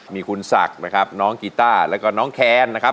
มีคุณศักดิ์นะครับน้องกีต้าแล้วก็น้องแคนนะครับ